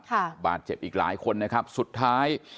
ค่ะบาดเจ็บอีกหลายคนนะครับสุดท้าย